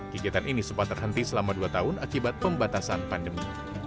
kegiatan ini sempat terhenti selama dua tahun akibat pembatasan pandemi